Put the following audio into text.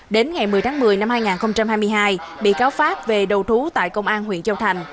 đến ngày một mươi tháng một mươi năm hai nghìn hai mươi hai bị cáo phát về đầu thú tại công an huyện châu thành